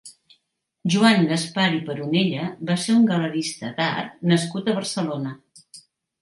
Joan Gaspar i Paronella va ser un galerista d'art nascut a Barcelona.